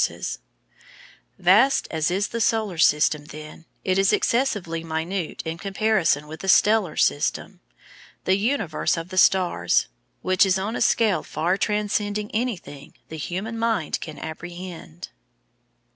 THE GREAT NEBULA IN ANDROMEDA, MESSIER 31] Vast as is the Solar System, then, it is excessively minute in comparison with the Stellar System, the universe of the Stars, which is on a scale far transcending anything the human mind can apprehend.